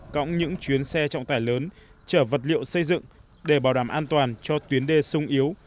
cõng những chuyến xe trọng tải lớn chở vật liệu xây dựng để bảo đảm an toàn cho tuyến đê sung yếu